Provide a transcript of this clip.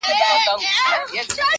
په یوه ژبه ګړیږو یو له بله نه پوهیږو-